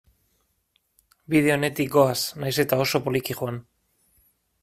Bide onetik goaz, nahiz eta oso poliki joan.